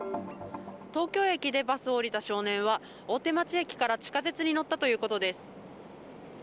東京駅でバスを降りた少年は、大手町駅から地下鉄に乗ったということです。